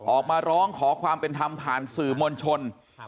ออกมาร้องขอความเป็นธรรมผ่านสื่อมวลชน